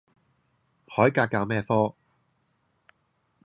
海格教咩科？